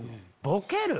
ボケる？